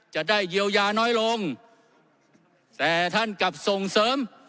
จะได้เยียวยาน้อยลงแต่ท่านกลับส่งเสริม